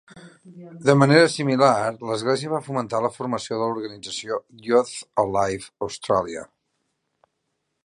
De manera similar, l'església va fomentar la formació de l'organització Youth Alive Australia.